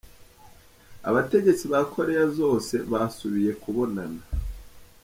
Abategetsi ba Korea zose basubiye kubonana .